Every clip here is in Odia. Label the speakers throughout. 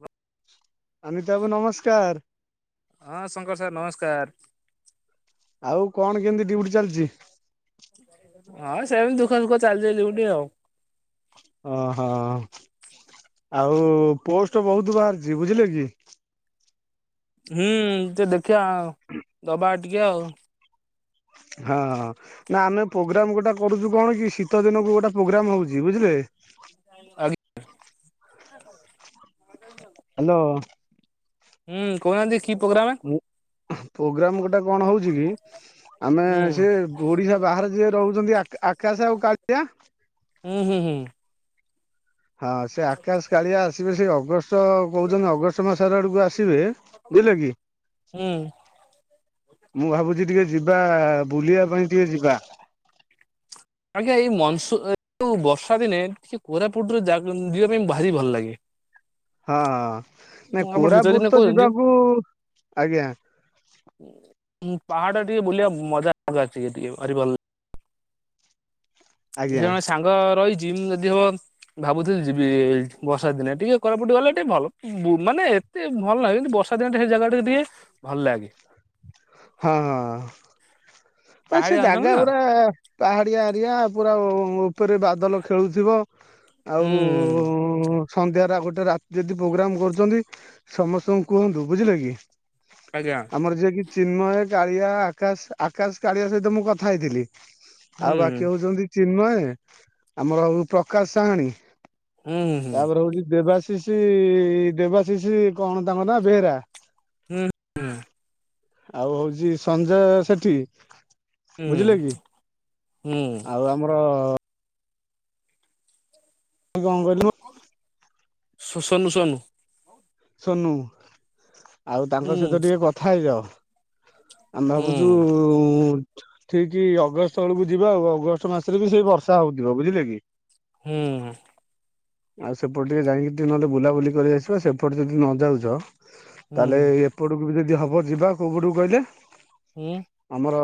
Speaker 1: ହେଲୋ।
Speaker 2: ଆନିତା ବାବୁ ନମସ୍କାର।
Speaker 1: ହଁ ଶଙ୍କର ସାର୍ ନମସ୍କାର।
Speaker 2: ଆଉ କଣ କେମିତି ଡ୍ୟୁଟି ଚାଲିଛି?
Speaker 1: [unintelligible] ହଁ ସେମିତି ଦୁଃଖ ସୁୁଖ ଚାଲିଛି ଡ୍ୟୁଟି ଆଉ।
Speaker 2: ଓହୋ। ଆଉ ପୋଷ୍ଟ ବହୁତ ବାହାରିଛି। ବୁଝିଲେ କି?
Speaker 1: ହୁଁ ତ ଦେଖିବା। ଦବା ଟିକେ ଆଉ।
Speaker 2: ହଁଁ ହଁ। ନା ଆମେ ପ୍ରୋଗ୍ରାମ୍ ଗୋଟେ କରୁଛୁ କଣ କି ଶୀତ ଦିନକୁ ଗୋଟେ ପ୍ରୋଗ୍ରାମ୍ ହଉଛି ବୁଝିଲେ?
Speaker 1: ଆରି ହ ହଉ। ରହିଯାଆ [unintelligible]
Speaker 2: ହ୍ୟାଲୋ।
Speaker 1: ହୁଁ କହୁନାହାନ୍ତି କି ପ୍ରୋଗ୍ରାମେ?
Speaker 2: ଉଁ। ପ୍ରୋଗ୍ରାମ୍ ଗୋଟା କଣ ହଉଚି କି? ଆମେ
Speaker 1: ହୁଁ
Speaker 2: ସେ ଓଡିଶା ବାହାରେ ଯିଏ ରହୁଚନ୍ତି ଆ-ଆକାଶ ଆଉ କାଳିଆ
Speaker 1: ହୁଁ- ହୁଁ -ହୁଁ।
Speaker 2: ହଁ ସେ ଆକାଶ, କାଳିଆ ଆସିବେ ସେଇ ଅଗଷ୍ଟ ତ କହୁଚନ୍ତି ଅଗଷ୍ଟ ମାସରେ ଆଡକୁ ଆସିବେ। ବୁଝିଲେ କି?
Speaker 1: ହୁଁ
Speaker 2: ମୁଁ ଭାବୁଚି ଟିକେ ଯିବା ବୁଲିବା ପାଇଁ ଟିକେ ଯିବା।
Speaker 1: ଆଜ୍ଞା ଏଇ ମନସୁନ୍ ଉ ବର୍ଷା ଦିନେ ଟିକେ କୋରାପୁଟରେ ଯା ଉମ ଯିବା ପାଇଁ ଭାରି ଭଲ ଲାଗେ।
Speaker 2: ହଁ ହଁ। ନାଇ
Speaker 1: ଆପଣ ଶୀତ ଦିନେ
Speaker 2: କୋରାପୁଟ ତ
Speaker 1: କହୁଛନ୍ତି
Speaker 2: ଯିବାକୁ, ଆଜ୍ଞା।
Speaker 1: ଉ ପାହାଡ ଟିକେ ବୁଲିବା ମଜା [unintelligible] ଟିକେ ଭାରି ଭଲ ସେ
Speaker 2: ଆଜ୍ଞା
Speaker 1: ଜଣେ ସାଙ୍ଗ ରହିଚି ଉମ ଯଦି ହବ ଭାବୁଥିଲି ଯିବି ବର୍ଷା ଦିନେ ଟିକେ କୋରାପୁଟ ଗଲେ ଟିକେ ଭଲ ବୁ ମାନେ ଏ ଏତେ ଭଲ ଲାଗେନି ବର୍ଷା ଦିନଟେ ହେ ଜାଗା ଟା ଦିଏ ଭଲ ଲାଗେ।
Speaker 2: ହଁ ନା ସେ
Speaker 1: ପାହାଡ଼ିଆ ଅଞ୍ଚଳ
Speaker 2: ଜାଗା
Speaker 1: ନା
Speaker 2: ଗୁଡା ପାହାଡିଆ ଏରିଆ ପୁରା ଉ ଉପରେ ବାଦଲ ଖେଳୁଥିବ। ଆଉ
Speaker 1: ହୁଁ
Speaker 2: ଉଁ ସଂନ୍ଧ୍ୟାରେ ଆଉ ଗୋଟେ ରାତି ଯଦି ପ୍ରୋଗ୍ରାମ କରୁଚନ୍ତି ସମସ୍ତଙ୍କୁ କୁହନ୍ତୁ। ବୁଝିଲେ କି?
Speaker 1: ଆଜ୍ଞା।
Speaker 2: ଆମର ଯିଏକି ଚିନ୍ମୟ, କାଳିଆ, ଆକାଶ। ଆକାଶ୍, କାଳିଆ ସହିତ ମୁଁ କଥା ହେଇଥିଲି। ଆଉ
Speaker 1: ହୁଁ
Speaker 2: ବାକି ହଉଚନ୍ତି ଚିନ୍ମୟ ଆମର ଆଉ ପ୍ରକାଶ ସାହାଣୀ।
Speaker 1: ହୁଁ ହୁଁ
Speaker 2: ତାପରେ ହଉଚି ଦେବାଶିଷି ଦେବାଶିଷି କଣ ତାଙ୍କ ନା ବେହେରା?
Speaker 1: ହୁଁ।
Speaker 2: ଆଉ ହଉଛି ସଞ୍ଜୟ ସେଠି।
Speaker 1: ହୁଁ
Speaker 2: ବୁଝିଲେ କି?
Speaker 1: ହୁଁ
Speaker 2: ଆଉ ଆ ମୋର କଣ କହିଲୁ?
Speaker 1: ସ ସନୁ ସନୁ।
Speaker 2: ସୋନୁ। ଆଉ ତାଙ୍କ
Speaker 1: ହୁଁ
Speaker 2: ସହିତ ଟିକେ କଥା ହେଇଯାଅ। ଆମେ
Speaker 1: ହୁଁ
Speaker 2: ଭାବୁଚୁ ଠିକ୍ ଅଗଷ୍ଟ ବେଳକୁ ଯିବା ଆଉ ଅଗଷ୍ଟ ମାସରେ ବି ସେଇ ବର୍ଷା ହଉଥିବ। ବୁଝିଲେ କି?
Speaker 1: ହୁଁ।
Speaker 2: ଆଉ ସେପଟେ ଯାଇକି ଟିକେ ନହେଲେ ବୁଲାବୁଲି କରି ଆସିବ। ସେପଟେ ଯଦି ନ ଯାଉଚ
Speaker 1: ହୁଁ
Speaker 2: ତାହେଲେ ଏପଟକୁ ବି ଯଦି ହବ ଯିବା କୋଉପଟକୁ କହିଲେ
Speaker 1: ହୁଁ।
Speaker 2: ଆମର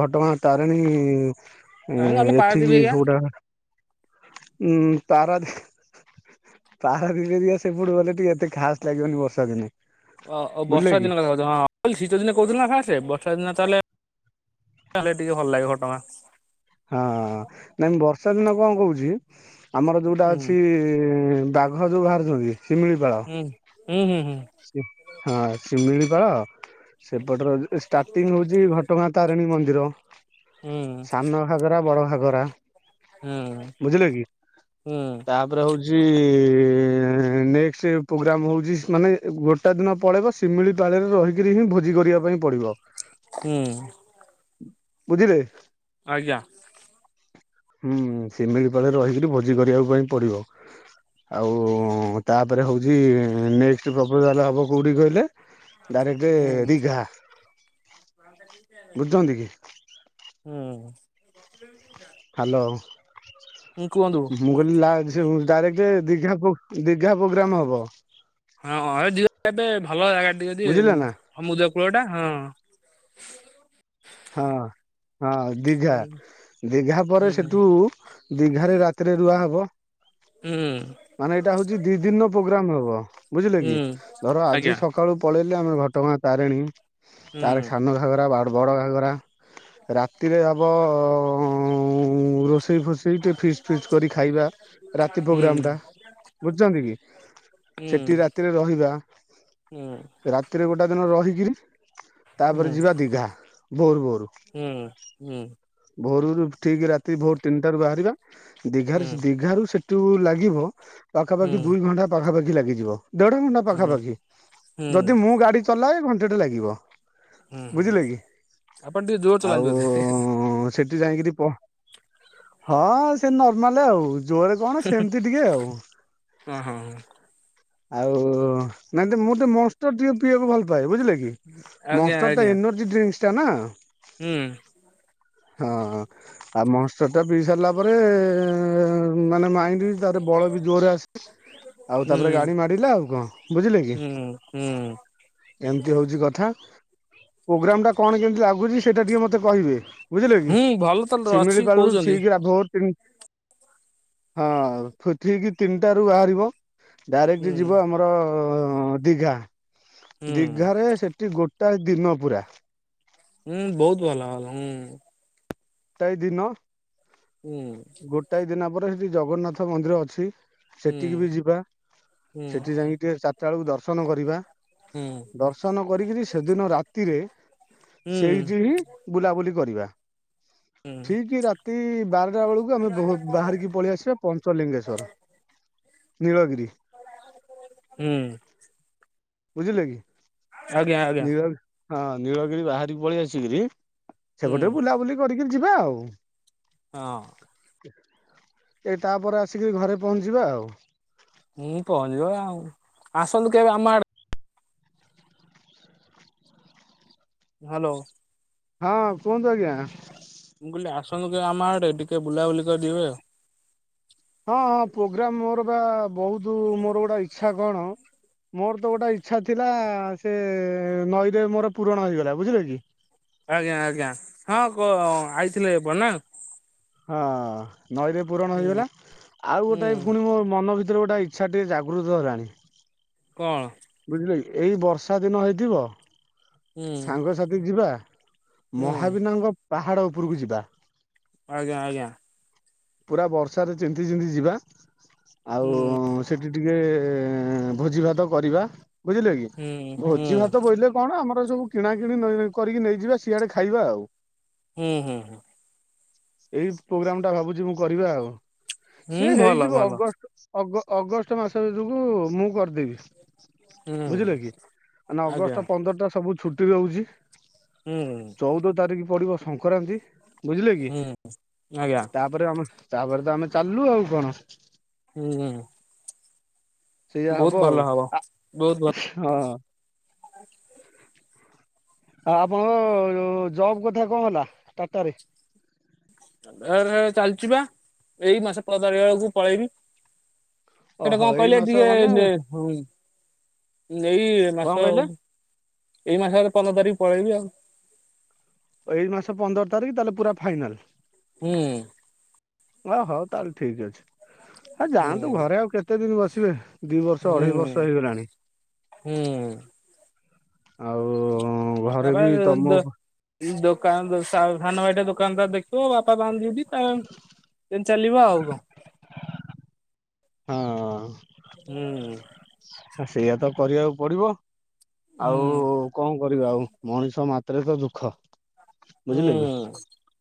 Speaker 2: ଘଟଗାଁ ତାରିଣୀ ଉଁ
Speaker 1: ଏ ନହେଲେ ପାରାଦ୍ୱୀପ
Speaker 2: ଏଠିକି
Speaker 1: ହେରିକା
Speaker 2: କୋଉଟା? ଉଁ ପାରାଦୀପ। ପାରାଦୀପ [unintelligible] ସେପଟକୁ ଗଲେ ଟିକେ ଏତେ ଖାସ୍ ଲାଗିବନି ବର୍ଷା ଦିନେ।
Speaker 1: ଅ-ଅଉ
Speaker 2: ବୁଝିଲେ
Speaker 1: ବର୍ଷା
Speaker 2: କି
Speaker 1: ଦିନ କଥା ହଁ ଶୀତ ଦିନେ କହୁଥିଲେ ନା କଣ୍ ସେ ବର୍ଷା ଦିନେ ତାହେଲେ -ତାହାଲେ ଟିକେ ଭଲ ଲାଗେ ଘଟଗାଁ।
Speaker 2: ହଁ ନାଇଁ ବର୍ଷା ଦିନ କଣ କହୁଛି ଆମର ଯୋଉଟା
Speaker 1: ହୁଁ
Speaker 2: ଅଛି ବା ଘ ଯୋଉ ବାହାରୁଚନ୍ତି ସିମିଳିପାଳ
Speaker 1: ହୁଁ -ହୁଁ- ହୁଁ- ହୁଁ।
Speaker 2: ହଁ ଶିମିଳିପାଳ ସେପଟର ଷ୍ଟାର୍ଟିଂ ହଉଚି ଘଟଗାଁ ତାରିଣୀ ମନ୍ଦିର
Speaker 1: ହୁଁ
Speaker 2: ସାନ ଘାଗରା ବଡ ଘାଗରା
Speaker 1: ହୁଁ
Speaker 2: ବୁଝିଲେ କି
Speaker 1: ହୁଁ
Speaker 2: ତା ତାପରେ ହଉଚି ନେକ୍ସଟ୍ ପ୍ରୋଗ୍ରାମ ହଉଚି ମାନେ ଗୋଟା ଦିନ ପଳେଇବ ଶିମିଳିପାଳରେ ରହିକରି ହିଁ ଭୋଜି କରିବା ପାଇଁ ପଡିବ।
Speaker 1: ହୁଁ।
Speaker 2: ବୁଝିଲେ।
Speaker 1: ଆଜ୍ଞା।
Speaker 2: ହୁଁ ସିମିଳିପାଳ ରହିକିରି ଭୋଜି କରିବାକୁ ପାଇଁ ପଡିବ। ଆଉ ତାପରେ ହେଉଛି ନେକ୍ସଟ ପ୍ରପଜଲ ହେବ କେଉଁଠି କହିଲେ। ଡାଇରେକ୍ଟ
Speaker 1: ହୁଁ
Speaker 2: ଦୀଘା।
Speaker 1: [inaudible]
Speaker 2: ବୁଝଛନ୍ତି।
Speaker 1: ହୁଁ।
Speaker 2: ହ୍ୟାଲୋ
Speaker 1: ହୁଁ କୁହନ୍ତୁ
Speaker 2: ମୁଁ କହିଲି ଡାଇରେକ୍ଟ ଦୀଘା ଦୀଘା ପ୍ରୋଗ୍ରାମ ହବ
Speaker 1: ହଁ ଯିବା କେବେ ଭଲ ଜାଗା ଟିକେ ଯଦି
Speaker 2: ବୁଝିଲେ ନା।
Speaker 1: ସମୁଦ୍ର କୂଳ ଟା ହଁ।
Speaker 2: ହଁ ହଁ। ଦୀଘା
Speaker 1: ହୁଁ
Speaker 2: ଦୀଘା ପରେ
Speaker 1: ହୁଁ
Speaker 2: ସେଠୁ ଦୀଘାରେ ରାତିରେ ରୁଆ ହେବ।
Speaker 1: ହୁଁ।
Speaker 2: ମାନେ ଏଇଟା ହଉଛି ଦି ଦିନ ର ପ୍ରୋଗ୍ରାମ ହବ ବୁଝିଲେ କି
Speaker 1: ହୁଁ
Speaker 2: ଧର ଆଜି
Speaker 1: ଆଜ୍ଞା
Speaker 2: ସକା ସକାଳୁ ପଳେଇଲେ ଆମେ ଘଟଗାଁ ତାରିଣୀ
Speaker 1: ହୁଁ
Speaker 2: ତାର ସାନ ଘାଗରା ବଡ଼ ଘାଗରା। ରାତିରେ ହବ ରୋଷେଇ ଫୋଷେଇ ଟିକେ ଫିଚ ଫିଚ କରି ଖାଇବା ରାତି ପ୍ରୋଗ୍ରାମ
Speaker 1: ହୁଁ
Speaker 2: ଟା। ବୁଝୁଛନ୍ତି କି
Speaker 1: ହୁଁ
Speaker 2: ସେଠି ରାତିରେ ରହିବା।
Speaker 1: ହୁଁ
Speaker 2: ରାତିରେ ଗୋଟା ଦିନ ରହିକରି
Speaker 1: ହୁଁ
Speaker 2: ତାପରେ ଯିବା ଦିଘା। ଭୋରୁ ଭୋରୁ
Speaker 1: ହୁଁ ହୁଁ ହୁଁ
Speaker 2: ଭୋରୁରୁ ଠିକ ରାତି ଭୋର ତିନିଟାରୁ ବାହାରିବା। ଦିଘ
Speaker 1: ହୁଁ
Speaker 2: ଦିଘାରୁ ସେଠୁ ଲାଗିବ
Speaker 1: ହୁଁ
Speaker 2: ପାଖାପାଖି ଦୁଇ ଘଣ୍ଟା ପାଖାପାଖି ଲାଗିଯିବ। ଦେଢ ଘଣ୍ଟା
Speaker 1: ହୁଁ
Speaker 2: ପାଖାପାଖି
Speaker 1: ହୁଁ
Speaker 2: ଯଦି ମୁଁ ଗାଡି ଚଲାଏ ଘଣ୍ଟେଟେ ଲାଗିବ।
Speaker 1: ହୁଁ
Speaker 2: ବୁଝିଲେ କି
Speaker 1: ଆପଣ ଟିକେ ଜୋର ଚଲାନ୍ତି
Speaker 2: ଆଉ
Speaker 1: ବୋଧେ
Speaker 2: ସେଠି ଯାଇକରି ହଁ ସେ ନର୍ମାଲ ଆଉ ଜୋରେ କଣ ସେମିତି ଟିକେ ଆଉ
Speaker 1: ହଁ ହଁ।
Speaker 2: ଆଉ ନାଇଁ ମୁଁ ତେ ମଷ୍ଟର ଟିକେ ପିଇବାକୁ ଭଲ ପାଏ ବୁଝିଲେ କି।
Speaker 1: ଆଜ୍ଞା
Speaker 2: ମଷ୍ଟଟ
Speaker 1: ଆଜ୍ଞା
Speaker 2: ଏନର୍ଜି ଡ୍ରିଙ୍କସ ଟା ନା।
Speaker 1: ହୁଁ
Speaker 2: ହଁ ଆଉ ମସ ଟା ପିଇ ସାରିଲା ପରେ ମାନେ ମାଇଁଡି ବଳ ବି ଜୋର ଆଉ
Speaker 1: ହୁଁ
Speaker 2: ତାପରେ ଗାଡି ମାଡିଲା ଆଉ କଣ ବୁଝିଲେ କି।
Speaker 1: ହୁଁ ହୁଁ
Speaker 2: ଏମିତି ହଉଛି କଥା ପ୍ରୋଗ୍ରାମ ଟା କଣ କେମତି ଲାଗୁଛି ସେଇଟା ଟିକେ ମତେ କହିବେ। ବୁଝିଲେ କି
Speaker 1: ହୁଁ ଭଲ ତ ଅଛି
Speaker 2: ଶିମିଳି ପାାଳରୁ
Speaker 1: କହୁଛନ୍ତି।
Speaker 2: ସିକି ହଁ ପଠିକି ତିନିଟାାରୁ ବାହାରିବ
Speaker 1: ହୁଁ
Speaker 2: ଡାଇରେକ୍ଟ ଯିବ ଆମର ଦିଘା
Speaker 1: ହୁଁ
Speaker 2: ଦିଘାରେ ସେଠି ଗୋଟାଏ ଦିନ ପୁରା।
Speaker 1: ହୁଁ ବହୁତ ଭଲ ହୁଁ।
Speaker 2: ଏତାଇ ଦିନ
Speaker 1: ହୁଁ।
Speaker 2: ଗୋଟାଏ ଦିନ ପରେ ସେଠି ଜଗନ୍ନାଥ ମନ୍ଦିର ଅଛି
Speaker 1: ହୁଁ
Speaker 2: ସେଠିକି ବି ଯିବା
Speaker 1: ହୁଁ
Speaker 2: ସେଠି ଯାଇି ଟିକେ ଚାଟା ବେଳକୁ ଦର୍ଶନ କରିବା।
Speaker 1: ହୁଁ
Speaker 2: ଦର୍ଶନ କରିକିରି ସେଦିନ ରାତିରେ
Speaker 1: ହୁଁ
Speaker 2: ସେଇଠି ହିଁ ବୁଲାବୁଲି କରିବା।
Speaker 1: ହୁଁ
Speaker 2: ଠିକ ରାତି ବାରଟା ବେଳକୁ ଆମେ ବାହାରିକି ପଳେଇ ଆସିବା ପଞ୍ଚଲିଙ୍ଗେଶ୍ଵର। ନୀଳଗିରି
Speaker 1: ହୁଁ
Speaker 2: ବୁଝିଲେ କି
Speaker 1: ଆଜ୍ଞା ଆଜ୍ଞା
Speaker 2: ନୀଳି ହଁ ନୀଳଗିରି ବାହାରିକି ପଳେଇ ଆସିକିରି
Speaker 1: ହୁଁ
Speaker 2: ସେପଟ ବୁଲାବୁଲି କରିକିରି ଯିବା ଆଉ।
Speaker 1: ହଁ
Speaker 2: ଏ ତାପରେ ଆସିକରି ଘରେ ପହଞ୍ଚିବା ଆଉ।
Speaker 1: ମୁଁ ପହଞ୍ଚିବ ଆଉ ଆସନ୍ତୁ କେବେ ଆମ ଆଡେ। ହ୍ୟାଲୋ
Speaker 2: ହଁ କୁହନ୍ତୁ ଆଜ୍ଞା।
Speaker 1: ମୁଁ କହିଲି ଆସନ୍ତୁ କେବେ ଆମ ଆଡେ ଟିକେ ବୁଲାବୁଲି କରି ଯିବେ ଆଉ।
Speaker 2: ହଁ ହଁ ପ୍ରୋଗ୍ରାମ ମୋର ବା ବହୁତ ମୋର ଗୋଟେ ଇଛା କଣ ମୋର ତ ଗୋଟେ ଇଛା ଥିଲା ସେ ନଈରେ ମୋର ପୂୁରଣ ହେଇଗଲା ବୁଝିଲେ କି।
Speaker 1: ଆଜ୍ଞା ଆଜ୍ଞା ହଁ କ ଆଇଥିଲେ ଏବେ ନା।
Speaker 2: ହଁ ନଈରେ ପୁରଣ
Speaker 1: ହୁଁ।
Speaker 2: ହେଇଗଲା ଆଉ
Speaker 1: ହୁଁ
Speaker 2: ଗୋଟେ ପୁଣି ମୋ ମନ ଭିତରେ ଗୋଟେଇ ଇଛା ଟିକେ ଜାଗୃତ ହେଲାଣି।
Speaker 1: କଣ?
Speaker 2: ବୁଝିଲେକି ଏଇ ବର୍ଷା ଦିନ ହେଇଥିବ
Speaker 1: ହୁଁ
Speaker 2: ସାଙ୍ଗସାଥି ଯିବା।
Speaker 1: ହୁଁ।
Speaker 2: ମହାବିନାୟକ ପାହାଡ ଉପରକୁ ଯିବା।
Speaker 1: ଆଜ୍ଞା ଆଜ୍ଞା
Speaker 2: ପୁରା ବର୍ଷାରେ ତିନ୍ତି ତିନ୍ତି ଯିବା ଆଉ।
Speaker 1: ହୁଁ
Speaker 2: ସେଠି ଟିକେ ଭୋଜି ଭାତ କରିବା ବୁଝିଲେ କି
Speaker 1: ହୁଁ ହୁଁ
Speaker 2: ଭୋଜି ଭାତ ବୋଇଲେ କଣ ଆମର ସବୁ କିଣା କିଣି କରିକି ନେଇଯିବା ସିଆଡେ ଖାଇବା ଆଉ।
Speaker 1: ହୁଁ ହୁଁ ହୁଁ
Speaker 2: ଏଇ ପ୍ରୋଗ୍ରାମ ଟା ଭାବୁଛି ମୁଁ କରିବା ଆଉ।
Speaker 1: ହୁଁ
Speaker 2: ସେ
Speaker 1: ଭଲ
Speaker 2: ହେଇଯିବ
Speaker 1: ଭଲ।
Speaker 2: ଅଗଷ୍ଟ ଅଗଷ୍ଟ ମାସ ଭିତରକୁ ମୁଁ କରିଦେବି।
Speaker 1: ହୁଁ।
Speaker 2: ବୁଝିଲେ କି ମାନେ
Speaker 1: ଆଜ୍ଞା।
Speaker 2: ଅଗଷ୍ଟ ପନ୍ଦରଟା ସବୁ ଛୁଟି ରହୁଛି।
Speaker 1: ହୁଁ
Speaker 2: ଚଉଦ ତାରିଖ ପଡିବ ସଂକ୍ରାନ୍ତି ବୁଝିଲେ କି
Speaker 1: ହୁଁ ଆଜ୍ଞା।
Speaker 2: ତା ତାପରେ ଆମ ତାପରେ ତ ଆମେ ଚାଲୁଲ ଆଉ କଣ।
Speaker 1: ହୁଁ ହୁଁ
Speaker 2: ସେଇଆ
Speaker 1: ବହୁତ
Speaker 2: ହବ
Speaker 1: ଭଲ
Speaker 2: ଆଉ
Speaker 1: ବହୁତ ଭଲ
Speaker 2: ହଁ। ଆ ଆପଣଙ୍କ ଜବ୍ କଥା କଣ ହେଲା ଟାଟାରେ।
Speaker 1: ଏ ଚାଲିଛି ବା ଏଇ ମାସ ପଦର୍ ତାରିକ ବେଳକୁ ପଳେଇବି। ସେଟା
Speaker 2: ଓହୋ
Speaker 1: କଣ
Speaker 2: ଏଇ
Speaker 1: କହିଲେ
Speaker 2: ମାସ ମାନେ
Speaker 1: ଟିକେ ହ ଏଇ
Speaker 2: କଣ
Speaker 1: ମାସ
Speaker 2: କହିଲେ?
Speaker 1: ଆଉ। ଏଇ ମାସ ହେ ପନ୍ଦର ତାରିଖ ପଳେଇବି ଆଉ।
Speaker 2: ଏଇ ମାସ ପନ୍ଦର ତାରିଖ ତାହେଲେ ପୁରା ଫାଇନାଲ।
Speaker 1: ହୁଁ
Speaker 2: ହଉ ହଉ ତାହେଲେ ଠିକ ଅଛି ଆଉ ଯାଆନ୍ତୁ
Speaker 1: ହୁଁ
Speaker 2: ଘରେ ଆଉ କେତେ ଦିନ ବସିବେ। ଦି ବର୍ଷ
Speaker 1: ହୁଁ
Speaker 2: ଅଢେଇ ବର୍ଷ ହେଇଗଲାଣି।
Speaker 1: ହୁଁ
Speaker 2: ଆଉ ଘରେ ବି ତମ
Speaker 1: ତାପରେ ଦୋକାନ ସାନ ଭାଇଟା ଦୋକାନ ତ ଦେଖିବ ବାପା ବାନ୍ନ୍ତିି ତା ଚାଲିବ ଆଉ କଣ।
Speaker 2: ହଁ
Speaker 1: ହୁଁ
Speaker 2: ସେଇଆ ତ କରିବାକୁ ପଡିବ
Speaker 1: ହୁଁ
Speaker 2: ଆଉ କଣ କରିବା ଆଉ ମଣିଷ ମା ତ୍ରେକ ଦୁଃଖ
Speaker 1: ହୁଁ।
Speaker 2: ବୁଝିଲେ କି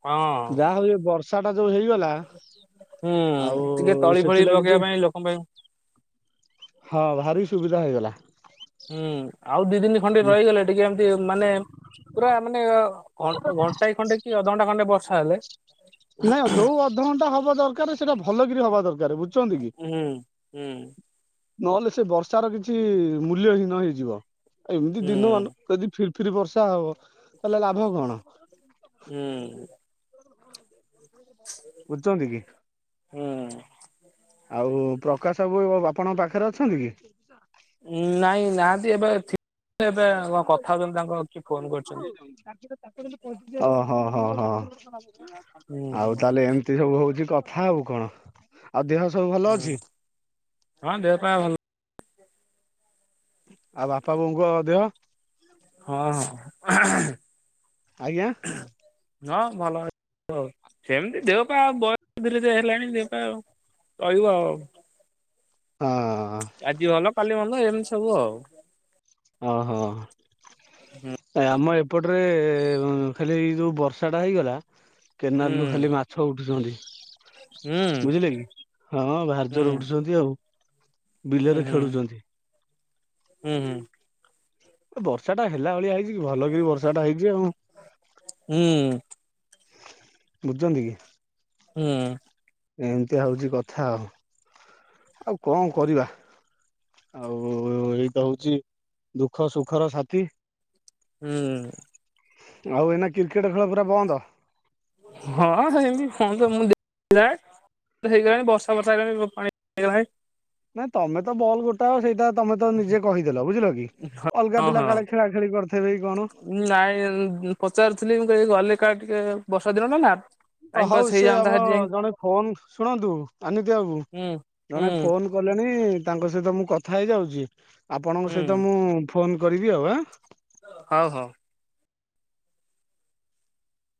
Speaker 1: ହଁ
Speaker 2: ଯାହା ହଉଛି ବର୍ଷ ବର୍ଷାଟା ଯୋଉ ହେଇଗଲା।
Speaker 1: ହୁଁ
Speaker 2: ଆଉ
Speaker 1: ଟିକେ ତଳି ଫଳି
Speaker 2: ସେଥିଲାଗି ଟିକେ
Speaker 1: ପକେଇବା ପାଇଁ ଲୋକଙ୍କ ପାଇଁ
Speaker 2: ହଁ ଭାରି ସୁବିଧା ହୋଇଗଲା।
Speaker 1: ହୁଁ ଆଉ ଦି ଦିନି ଖଣ୍ଡେ ରହିଗଲେ ଟିକେ ଏମିତି ମାନେ ପୁରା ମାନେ ଘ ଘଣ୍ଟାଏ ଖଣ୍ଡେ କି ଅଧଘଣ୍ଟା ଖଣ୍ଡେ ବର୍ଷା ହେଲେ
Speaker 2: ନାଇଁ ଯୋଉ ଅଧଘଣ୍ଟା ହବା ଦରକାର ସେଇଟା ଭଲକରି ହବା ଦରକାର ବୁଝ ଅଚନ୍ତି କି।
Speaker 1: ହୁଁ ହୁଁ
Speaker 2: ନହେଲେ ସେ ବର୍ଷାର କିଛି ମୂଲ୍ୟ ହୀନ ହେଇଯିବ। ଏମିତି
Speaker 1: ହୁଁ
Speaker 2: ଦିନମାନ ଯଦି ର୍ ଫିରି ବର୍ଷା ହବ ତାହଲେ ଲାଭ କଣ?
Speaker 1: ହୁଁ।
Speaker 2: ବୁଝଚନ୍ତି କି?
Speaker 1: ହୁଁ।
Speaker 2: ଆଉ ପ୍ରକାଶ ବାବୁ ଆପଣଙ୍କ ପାଖରେ ଅଛନ୍ତି କି?
Speaker 1: ନାଇଁ ନାହାନ୍ତି। ଏବେ ଥି କଣ କଥା ହଉଚନ୍ତି ତାଙ୍କ କିଏ ଫୋନ କରିଚନ୍ତି।
Speaker 2: ଓହୋ ହ ହ ହ
Speaker 1: ହୁଁ
Speaker 2: ହଉ
Speaker 1: ହୁଁ
Speaker 2: ତାହାଲେ ଏମ୍ ତି ସବୁ ହଉଚି କଥା ଆଉ କଣ ଆଉ ଦେହ ସବୁ ଭଲ ଅଛି?
Speaker 1: ହଁ ଦେହ ପାୟ ଭଲ।
Speaker 2: ଆଉ ବାପା ବୋଉଙ୍କ ଦେହ?
Speaker 1: ହଁ ହଁ।
Speaker 2: ଆଜ୍ଞା।
Speaker 1: ହଁ ଭଲ ଅ ଥିବ। ସେମିତି ଦେହପା ଆଉ ବୟସ ଧୀରେ ଧୀରେ ହେଲାଣି ଦେହପା ଆଉ ଚଳିବ ଆଉ।
Speaker 2: ହଁ
Speaker 1: ଆଜି ଭଲ କାଲି ଭଲ ଏମିତି ସବୁ ଆଉ।
Speaker 2: ଓହୋ ଆମ ଏ ଏପଟରେ ଖାଲି ଏଇ ଯଉଁ ବର୍ଷାଟା ହେଇଗଲା
Speaker 1: ହୁଁ
Speaker 2: କେନାଲରୁୁ ଖାଲି ମା ଛ ଉଠୁଚନ୍ତି
Speaker 1: ହୁଁ
Speaker 2: ବୁଝିଲେ କି ହଁ ଭାରିଜରରେ ଉଠୁଛନ୍ତି ଆଉ।
Speaker 1: ହୁଁ
Speaker 2: ବିଲରେ ଖେଳୁଚନ୍ତି।
Speaker 1: ହୁଁ ହୁଁ।
Speaker 2: ବର୍ଷା ଟା ହେଲା ଭଳିଆ ହେଇଚି କି ଭଲକି ବର୍ଷାଟା ହେଇଚି ଆଉ।
Speaker 1: ହୁଁ ହୁଁ
Speaker 2: ବୁଝଚନ୍ତି କି?
Speaker 1: ହୁଁ।
Speaker 2: ଏମିତିଆ ହଉଚି କଥା ଆଉ ଆଉ କଣ କରିବା? ଆଉ ଏଇତ ହଉଚି ଦୁଃଖ ସୁଖର ସାଥି।
Speaker 1: ହୁଁ।
Speaker 2: ଆଉ ଏଇନା କ୍ରିକେଟ୍ ଖେଳ ପୁରା ବନ୍ଦ?
Speaker 1: ହଁ ସେମିତି ଫନ୍ ତ ମୁଁ ଦେ ଯାଏ। ତ ହେଇଗଲାଣି ବର୍ଷା ଫର୍ଷା ହେଇଲାଣି ପାଣି ଏଇ ଗଲାଣି।
Speaker 2: ନାଇଁ ତମେ ତ ବଲ୍ ଗୋଟେ ତ ସେଇଟା ତମେ ତ ନିଜେ କହିଦେଲ ବୁଝିଲ କି। ଅଲଗା
Speaker 1: ହଁ
Speaker 2: ପିଲା
Speaker 1: ହଁ
Speaker 2: କାଳେ ଖେଳା ଖେଳି କରିଥେବେ କଣ?
Speaker 1: ନାଇଁ ଉ ପଚାରୁଥିଲି ମୁଁ ଗଲି କା ଟିକେ ବର୍ଷା ଦିନ ଟା ନା। ଟାଇମ
Speaker 2: ହଉ
Speaker 1: ପାସ୍
Speaker 2: ସେ
Speaker 1: ହେଇଯାନ୍ତା ସେଠି
Speaker 2: ଆମର
Speaker 1: ଯାଇ
Speaker 2: ଜଣେ ଫୋନ ଶୁଣନ୍ତୁ ଅନତି ବାବୁ
Speaker 1: ହୁଁ ହୁଁ
Speaker 2: ଜଣେ ଫୋନ କଲେଣି ତାଙ୍କ ସହିତ ମୁଁ କଥା ହେଇଯାଉଚି ଆପଣଙ୍କ
Speaker 1: ହୁଁ
Speaker 2: ସହିତ ମୁଁ ଫୋନ କରିବି ଆଉ ହ।
Speaker 1: ହଉ ହଉ।